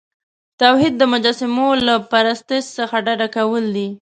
توحید د مجسمو له پرستش څخه ډډه کول دي.